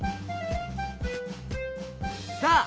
さあ